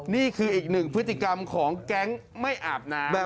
นี่คืออีกหนึ่งพฤติกรรมของแก๊งไม่อาบน้ำ